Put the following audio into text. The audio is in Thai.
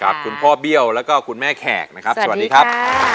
คุณพ่อเบี้ยวแล้วก็คุณแม่แขกนะครับสวัสดีครับ